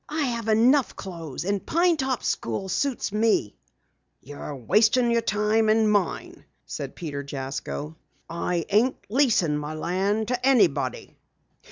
"I have enough clothes. And Pine Top school suits me." "You're wastin' your time and mine," said Peter Jasko. "I ain't leasing my land to anybody."